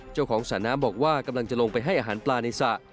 สระน้ำบอกว่ากำลังจะลงไปให้อาหารปลาในสระ